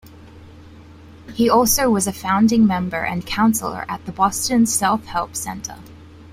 He also was a founding member and counselor at the Boston Self-Help Center.